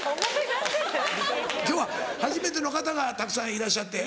今日は初めての方がたくさんいらっしゃって。